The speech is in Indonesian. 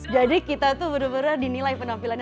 jadi kita tuh bener bener dinilai penuh panggilan ya